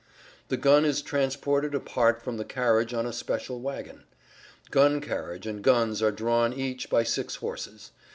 The gun is transported apart from the carriage on a special wagon. Gun carriage and guns are drawn each by six horses.